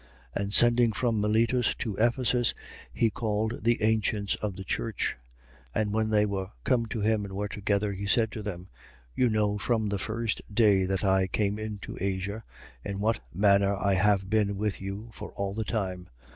20:17. And sending from Miletus to Ephesus, he called the ancients of the church. 20:18. And when they were come to him and were together, he said to them: You know from the first day that I came into Asia, in what manner I have been with you, for all the time.